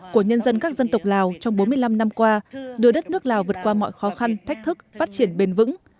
của nhân dân các dân tộc lào trong bốn mươi năm năm qua đưa đất nước lào vượt qua mọi khó khăn thách thức phát triển bền vững